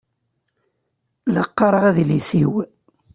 La qqaṛeɣ adlis-iw.